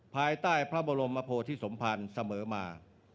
ภายใต้พระบรมพโภฯที่สมพรรณเสมอมา